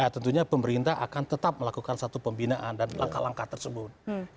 tentunya pemerintah akan tetap melakukan satu pembinaan dan langkah langkah tersebut